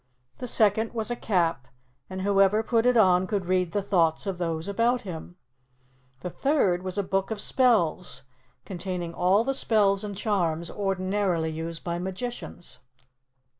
The second was a cap, and whoever put it on could read the thoughts of those about him. The third was a book of spells, containing all the spells and charms ordinarily used by magicians.